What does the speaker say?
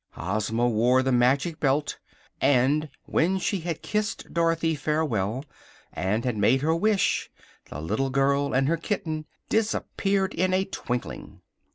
Ozma wore the Magic Belt; and, when she had kissed Dorothy farewell and had made her wish, the little girl and her kitten disappeared in a twinkling.